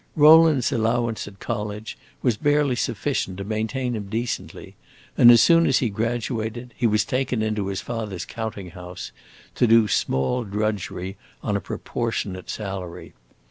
Rowland's allowance at college was barely sufficient to maintain him decently, and as soon as he graduated, he was taken into his father's counting house, to do small drudgery on a proportionate salary.